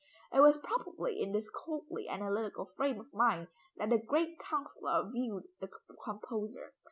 It was probably in this coldly analytical frame of mind, that the great councillor viewed the composer.